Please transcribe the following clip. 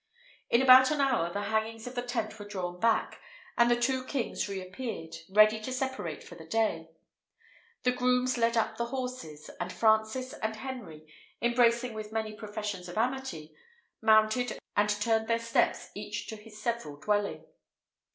In about an hour, the hangings of the tent were drawn back, and the two kings re appeared; ready to separate for the day. The grooms led up the horses; and Francis and Henry, embracing with many professions of amity, mounted and turned their steps each to his several dwelling.